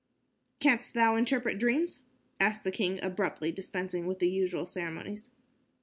"Canst thou interpret dreams?" asked the king, abruptly, dispensing with the usual ceremonies.